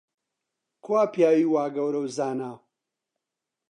کوا پیاوی وا گەورە و زانا؟